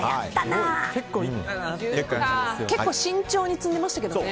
結構慎重に積んでましたけどね。